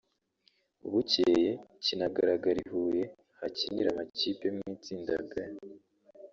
bukeye kinagaragara i Huye hakinira amakipe yo mu itsinda B